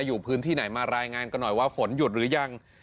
อยู่พื้นที่ไหนมารายงานกันหน่อยว่าฝนหยุดหรือยัง